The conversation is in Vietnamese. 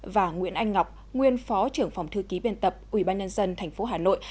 và nguyễn anh ngọc nguyên phó trưởng phòng thư ký biên tập ủy ban nhân dân thành phố hà nội